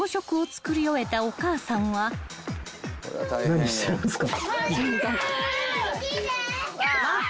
何してるんすか？